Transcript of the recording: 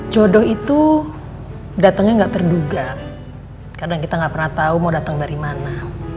jodoh itu datangnya nggak terduga kadang kita gak pernah tahu mau datang dari mana